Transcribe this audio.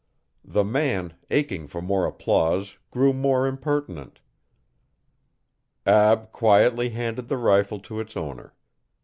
The man, aching for more applause, grew more impertinent. Ab quietly handed the rifle to its owner.